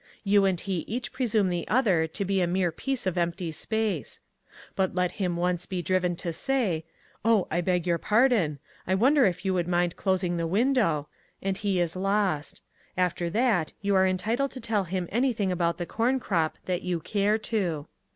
You and he each presume the other to be a mere piece of empty space. But let him once be driven to say, "Oh, I beg your pardon, I wonder if you would mind my closing the window," and he is lost. After that you are entitled to tell him anything about the corn crop that you care to.